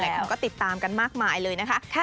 คนก็ติดตามกันมากมายเลยนะคะ